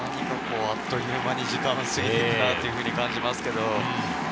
あっという間に時間が過ぎていくと感じます。